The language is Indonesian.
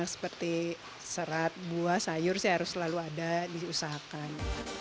seperti serat buah sayur sih harus selalu ada diusahakan